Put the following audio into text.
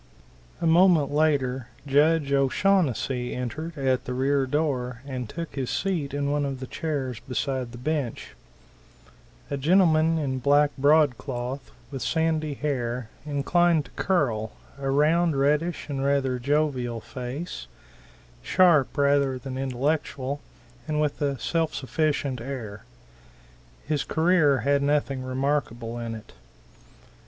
A moment later Judge O'Shaunnessy entered at the rear door and took his seat in one of the chairs behind the bench; a gentleman in black broadcloth, with sandy hair, inclined to curl, a round, reddish and rather jovial face, sharp rather than intellectual, and with a self sufficient air. His career had nothing remarkable in it.